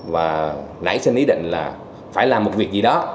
và nãy xin ý định là phải làm một việc gì đó